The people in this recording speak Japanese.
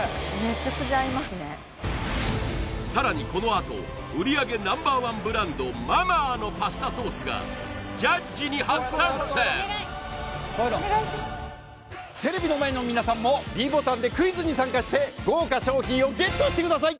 さらにこのあと売上Ｎｏ．１ブランドマ・マーのパスタソースがジャッジに初参戦テレビの前の皆さんもｄボタンでクイズに参加して豪華賞品をＧＥＴしてください